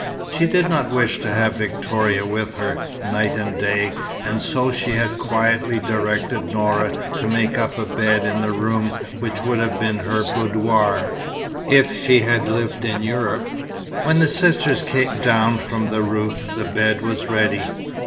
She did not wish to have Victoria with her, night and day, and so she had quietly directed Noura to make up a bed in the room which would have been her boudoir, if she had lived in Europe. When the sisters came down from the roof, the bed was ready.